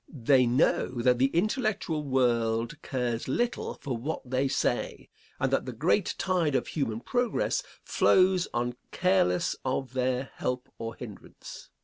They know that the intellectual world cares little for what they say, and that the great tide of human progress flows on careless of their help or hindrance.